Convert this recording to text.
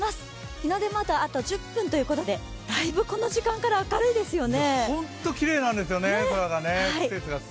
日の出まであと１０分ということで大分この時間から明るいですよね。